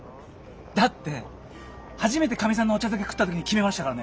だって初めてかみさんのお茶漬け食った時に決めましたからね。